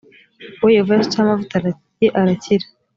uwo yehova yasutseho amavuta ye arakira